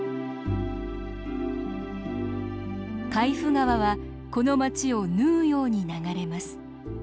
海部川はこの町を縫うように流れます。